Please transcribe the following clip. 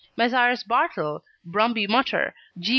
Messrs. Bartle, Brumby Mutter, G.